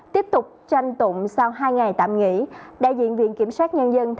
tiếp tục tranh tụng sau hai ngày tạm nghỉ đại diện viện kiểm soát nhân dân thành phố hồ chí minh